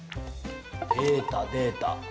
データデータ。